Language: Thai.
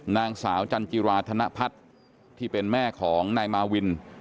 นางสาวจันจิราธนพัฒน์ที่เป็นแม่ของนายมาวิน